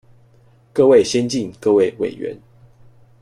各位先進、各位委員